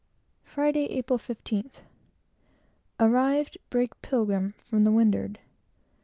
Friday, April 15th. Arrived, brig Pilgrim, from the windward.